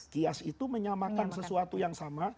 kias itu menyamakan sesuatu yang sama